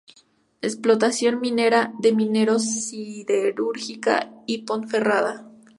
Explotación minera de Minero Siderúrgica de Ponferrada.